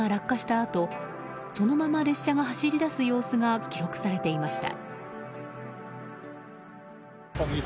あとそのまま列車が走り出す様子が記録されていました。